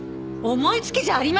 思いつきじゃありません！